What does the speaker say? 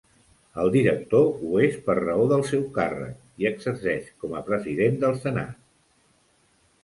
El director ho és per raó del seu càrrec i exerceix com a president del Senat.